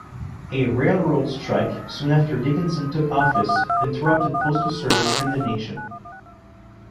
A railroad strike soon after Dickinson took office interrupted postal service in the nation.